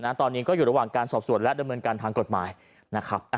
ตอนนี้ก็อยู่ระหว่างการสอบส่วนและดำเนินการทางกฎหมายนะครับ